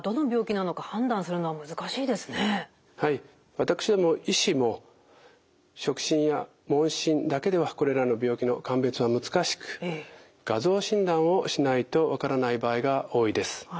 私ども医師も触診や問診だけではこれらの病気の鑑別は難しく画像診断をしないと分からない場合が多いです。